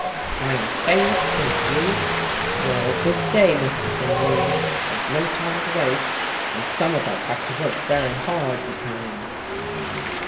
"I am fain it pleaseth you; well, good day, Mistress Aline, there is no time to waste and some of us have to work very hard betimes."